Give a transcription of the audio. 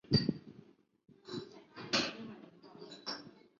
但过多的破格会造成整页构图的混乱。